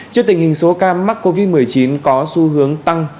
trước tình hình số ca mắc covid một mươi chín có xu hướng tăng